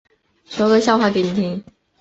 说个笑话给你听